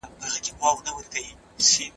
د پرنګیو له دیوانو نه ژړا راځي